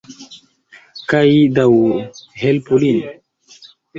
Kaj daŭru... helpu lin.